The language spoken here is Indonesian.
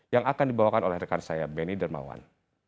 yang akan dibawakan oleh rekan saya benny dermawan